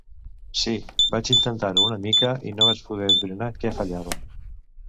Sí, vaig intentar-ho una mica i no vaig poder esbrinar què fallava.